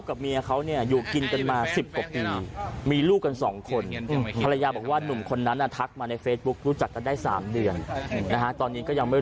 อ๋อคือแฟนเข้ามาสารภาพของเราใช่ไหมครับ